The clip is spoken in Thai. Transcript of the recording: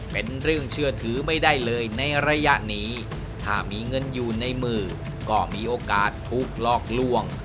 เป็นเรื่องเชื่อถือไม่ได้เลยในระยะนี้ถ้ามีเงินอยู่ในมือก็มีโอกาสถูกหลอกล่วง